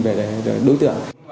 về đối tượng